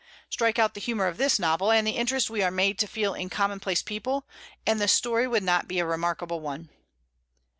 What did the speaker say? Strike out the humor of this novel and the interest we are made to feel in commonplace people, and the story would not be a remarkable one.